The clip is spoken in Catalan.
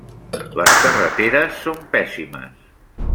Les carreteres són pèssimes.